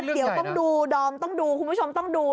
เดี๋ยวต้องดูดอมต้องดูคุณผู้ชมต้องดู